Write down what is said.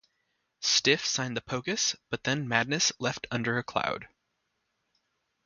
Stiff signed The Pogues, but then Madness left under a cloud.